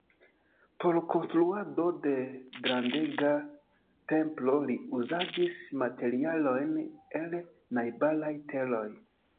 Por konstruado de grandega templo li uzadis materialojn el najbaraj teroj.